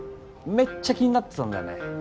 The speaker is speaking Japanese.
めっちゃ気になってたんだよね。